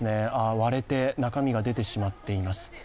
割れて中身が出てしまっています。